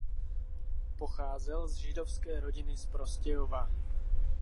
Pocházel z židovské rodiny z Prostějova.